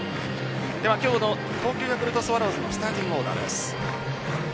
今日の東京ヤクルトスワローズのスターティングオーダーです。